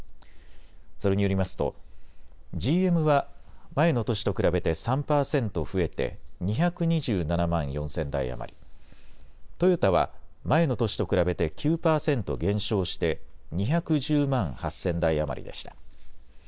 それによりますとＧＭは前の年と比べて３％増えて２２７万４０００台余り、トヨタは前の年と比べて９％減少して２１０万８０００台余りでした。